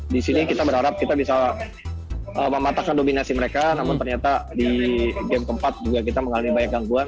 di sini kita berharap kita bisa mematahkan dominasi mereka namun ternyata di game keempat juga kita mengalami banyak gangguan